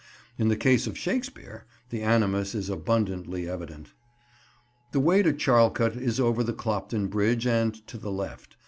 In the case of Shakespeare, the animus is abundantly evident. The way to Charlecote is over the Clopton Bridge and to the left.